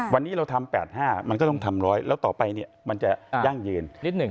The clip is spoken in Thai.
วันนี้เราทำ๘๕มันก็ต้องทำ๑๐๐แล้วต่อไปมันจะยั่งยืน